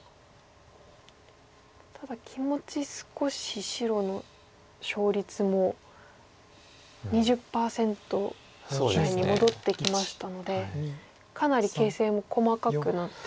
ただ気持ち少し白の勝率も２０％台に戻ってきましたのでかなり形勢も細かくなってるという。